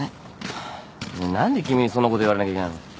ねえ何で君にそんなこと言われなきゃいけないの？